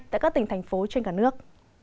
tại các tỉnh thành phố trên cả nước